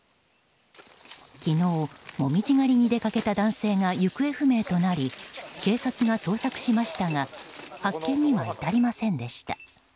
昨日、紅葉狩りに出かけた男性が行方不明となり警察が捜索しましたが発見には至りませんでした。